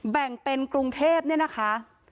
แบ่งเป็นกรุงเทพเนี่ยนะคะ